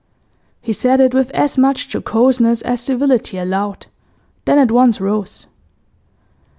He said it with as much jocoseness as civility allowed, then at once rose.